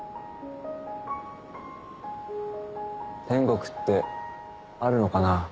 天国ってあるのかな？